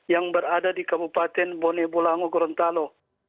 yang berada di kabupaten boneh bulangu gorontalo